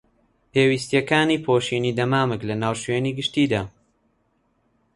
پێویستیەکانی پۆشینی دەمامک لەناو شوێنی گشتیدا